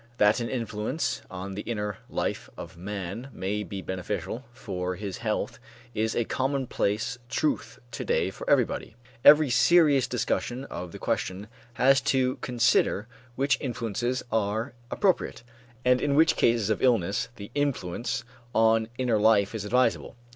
That an influence on the inner life of man may be beneficial for his health is a commonplace truth to day for everybody. Every serious discussion of the question has to consider which influences are appropriate, and in which cases of illness the influence on inner life is advisable.